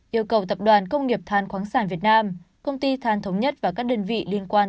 yêu cầu tập đoàn công nghiệp than khoáng sản việt nam công ty than thống nhất và các đơn vị liên quan